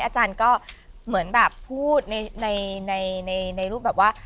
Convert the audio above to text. อาจารย์ก็เหมือนแบบพูดในรูปแบบว่า